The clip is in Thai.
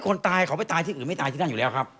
คนตายเขาไปตายที่อื่นไม่ตายที่นั่นอยู่แล้วครับ